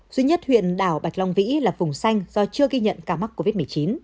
duy nhất huyện đảo bạch long vĩ là vùng xanh do chưa ghi nhận ca mắc covid một mươi chín